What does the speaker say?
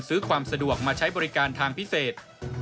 ซื้อความสะดวกมาใช้บริการทางพิเศษ